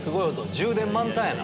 充電満タンやな。